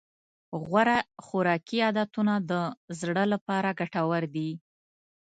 غوره خوراکي عادتونه د زړه لپاره ګټور دي.